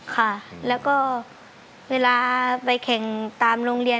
ค่ะแล้วก็เวลาไปแข่งตามโรงเรียน